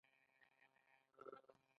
آیا افغانستان د پښتنو کور نه دی؟